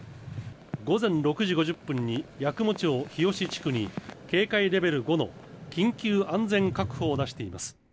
午前６時５０分に八雲町日吉地区に警戒レベル５の緊急安全確保を出しています。